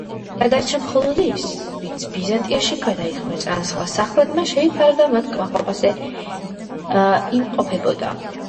გადარჩა მხოლოდ ის, ვინც ბიზანტიაში გადაიხვეწა ან სხვა სახლებმა შეიფარა და მათ კმაყოფაზე იმყოფებოდა.